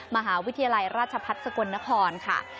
มหาวิทยาลัยราชพัฒน์สกลนครค่ะ